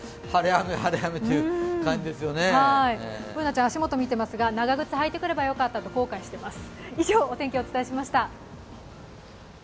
Ｂｏｏｎａちゃん、足元見ていますが、長靴履いてくればよかったと航海しています。